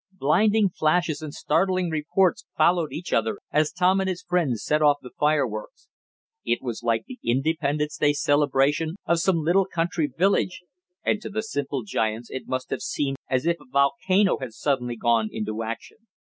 Blinding flashes and startling reports followed each other as Tom and his friends set off the fireworks. It was like the Independence Day celebration of some little country village, and to the simple giants it must have seemed as if a volcano had suddenly gone into action.